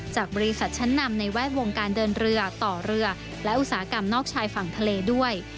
จากบริษัทชั้นนำในแวดวงการเดินเรือต่อเรือและอุตสาหกรรมนอกชายฝั่งทะเลด้วย